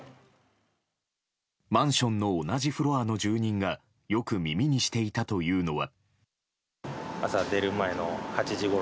マンションの同じフロアの住人がよく耳にしていたというのは。